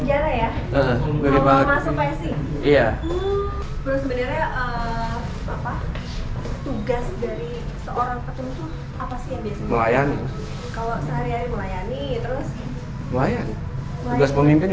dan bisa dilihat ya